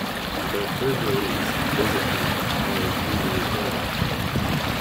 Their third release "Visit Me", followed three years later.